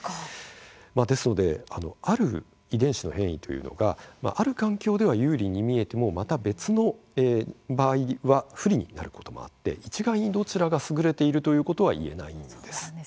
ですのである遺伝子の変異というのがある環境では有利に見えてもまた別の場合は不利になることもあって一概にどちらが優れているということはいえないんです。